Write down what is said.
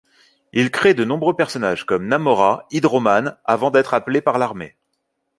Il crée de nombreux personnages comme Namora, Hydro-man avant d'être appelé par l'armée.